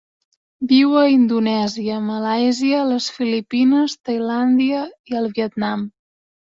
Viu a Indonèsia, Malàisia, les Filipines, Tailàndia i el Vietnam.